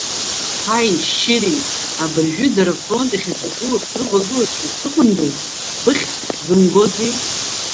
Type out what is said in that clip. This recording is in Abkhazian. Ҳаи, шьыри, абыржәы дара афронт иахьаҿагылоу срывагылазшәа сыҟандаз быххь зымгози.